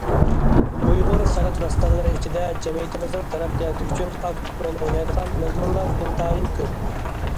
ئۇيغۇر خەلق داستانلىرى ئىچىدە جەمئىيىتىمىزنىڭ تەرەققىياتى ئۈچۈن ئاكتىپ رول ئوينايدىغان مەزمۇنلار ئىنتايىن كۆپ.